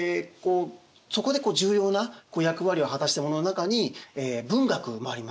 そこで重要な役割を果たしたものの中に文学もあります。